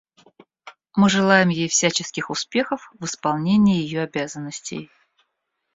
Мы желаем ей всяческих успехов в исполнении ее обязанностей.